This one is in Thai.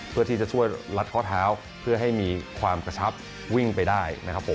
เพื่อที่จะช่วยรัดข้อเท้าเพื่อให้มีความกระชับวิ่งไปได้นะครับผม